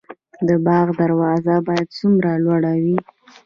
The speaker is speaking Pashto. د باغ دروازه باید څومره لویه وي؟